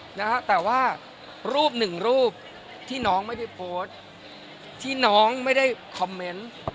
เหมือนกับว่ารูปหนึ่งรูปที่น้องไม่ได้โพสส